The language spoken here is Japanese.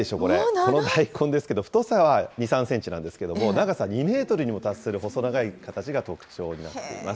この大根ですけれども、太さは２、３センチなんですけど、長さ２メートルにも達する細長い形が特徴になっています。